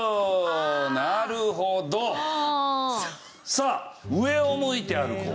さあ『上を向いて歩こう』。